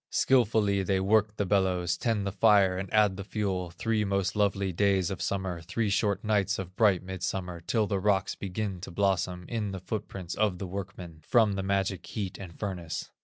Skilfully they work the bellows, Tend the fire and add the fuel, Three most lovely days of summer, Three short nights of bright midsummer, Till the rocks begin to blossom, In the foot prints of the workmen, From the magic heat and furnace.